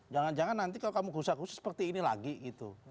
jangan jangan nanti kalau kamu gusar khusus seperti ini lagi gitu